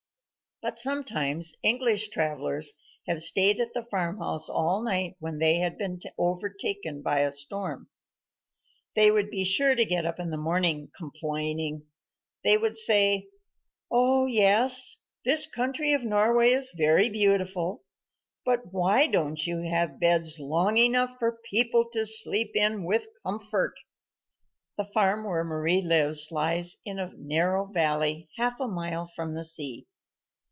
But sometimes English travellers had stayed at the farmhouse all night when they had been overtaken by a storm. They would be sure to get up in the morning complaining. They would say: "O yes, this country of Norway is very beautiful, but why don't you have beds long enough for people to sleep in with comfort." The farm where Mari lives lies in a narrow valley half a mile from the sea.